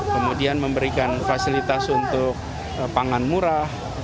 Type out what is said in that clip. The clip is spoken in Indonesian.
kemudian memberikan fasilitas untuk pangan murah